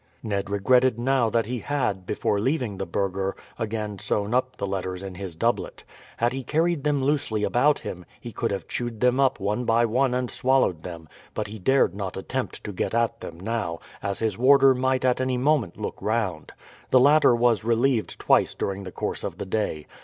Ned regretted now that he had, before leaving the burgher, again sewn up the letters in his doublet. Had he carried them loosely about him, he could have chewed them up one by one and swallowed them; but he dared not attempt to get at them now, as his warder might at any moment look round. The latter was relieved twice during the course of the day.